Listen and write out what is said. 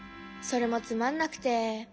それもつまんなくて。